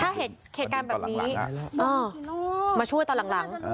อ่ามาช่วยตอนหลัง